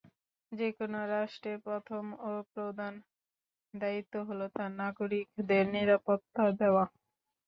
যেকোনো রাষ্ট্রের প্রথম ও প্রধান দায়িত্ব হলো তার নাগরিকদের নিরাপত্তা দেওয়া।